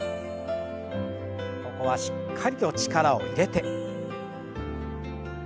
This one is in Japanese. ここはしっかりと力を入れて。